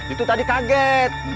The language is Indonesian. itu tadi kaget